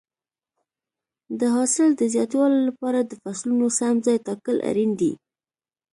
د حاصل د زیاتوالي لپاره د فصلونو سم ځای ټاکل اړین دي.